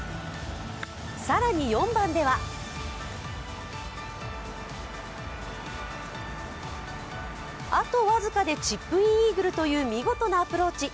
更に４番ではあと僅かでチップインイーグルという見事なアプローチ。